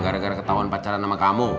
gara gara ketahuan pacaran sama kamu